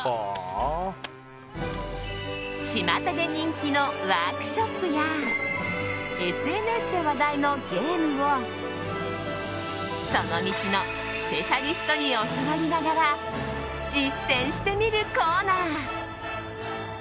ちまたで人気のワークショップやＳＮＳで話題のゲームをその道のスペシャリストに教わりながら実践してみるコーナー。